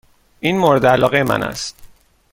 این مورد علاقه من است.